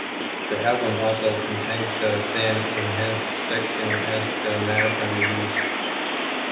The album also contained the same enhanced section as the American release.